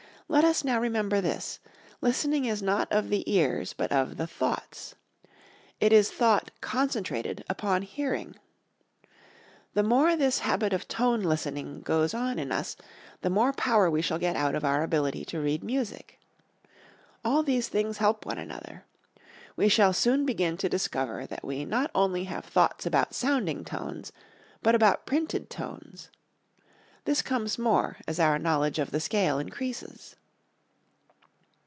Let us now remember this: listening is not of the ears but of the thoughts. It is thought concentrated upon hearing. The more this habit of tone listening goes on in us, the more power we shall get out of our ability to read music. All these things help one another. We shall soon begin to discover that we not only have thoughts about sounding tones, but about printed tones. This comes more as our knowledge of the scale increases.